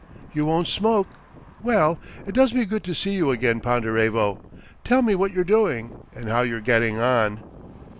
You won't smoke ... Well, it does me good to see you again, Ponderevo. Tell me what you're doing, and how you're getting on."